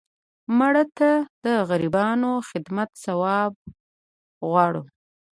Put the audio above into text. مړه ته د غریبانو خدمت ثواب غواړو